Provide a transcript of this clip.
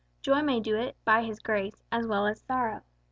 Joy may do it, by his grace, as well as sorrow.